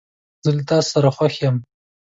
زه له تاسو سره خوښ یم.